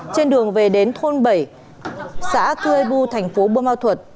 trên đường về đến thôn bảy xã thuê bu thành phố bùa mau thuật